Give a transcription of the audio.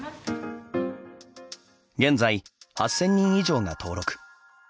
現在８，０００人以上が登録。